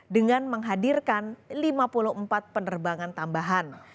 dengan menghadirkan lima puluh empat penerbangan tambahan